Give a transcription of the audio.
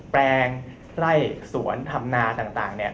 แปลงไร่สวนธรรมนาต่างเนี่ย